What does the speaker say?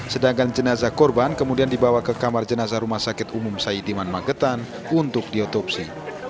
sedangkan jenazah korban kemudian dibawa ke kamar jenazah rumah sakit umum saidiman magetan untuk diotopsi